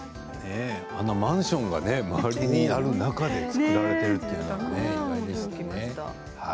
マンションが周りにある中で作られているとはね意外でした。